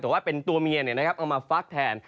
แต่ว่าเป็นตัวเมียเอามาฟักแทน